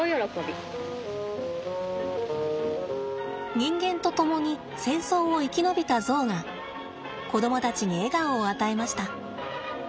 人間と共に戦争を生き延びたゾウが子供たちに笑顔を与えました。